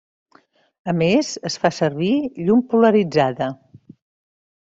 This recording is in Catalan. A més es fa servir llum polaritzada.